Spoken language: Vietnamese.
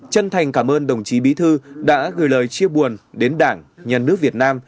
chân thành cảm ơn đồng chí bí thư đã gửi lời chia buồn đến đảng nhà nước việt nam